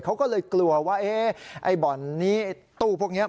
เขาก็เลยกลัวว่าไอ้บ่อนนี้ตู้พวกนี้